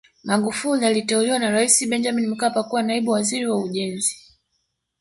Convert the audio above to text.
Magufuli aliteuliwa na Rais Benjamin Mkapa kuwa naibu waziri wa ujenzi